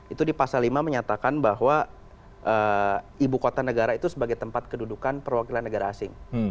itu di pasal lima menyatakan bahwa ibu kota negara itu sebagai tempat kedudukan perwakilan negara asing